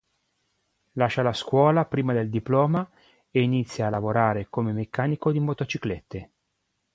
Lascia la scuola prima del diploma e inizia a lavorare come meccanico di motociclette.